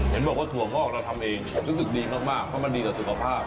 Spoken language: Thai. เห็นบอกว่าส่วงคนออกแล้วทำเองรู้สึกดีมากมันดีต่อสุกภาพ